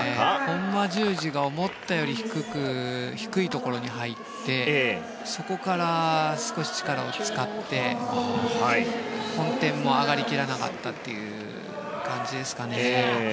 ホンマ十字が思ったより低いところに入ってそこから少し力を使ってほん転も上がり切らなかったという感じですかね。